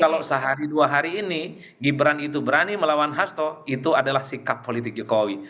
kalau sehari dua hari ini gibran itu berani melawan hasto itu adalah sikap politik jokowi